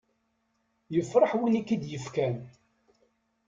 Yefreḥ win i k-id-yefkan.